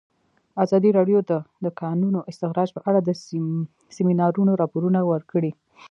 ازادي راډیو د د کانونو استخراج په اړه د سیمینارونو راپورونه ورکړي.